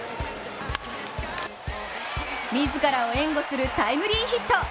自らを援護するタイムリーヒット。